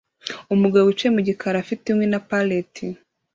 Umugabo wicaye mu gikari afite inkwi na pallet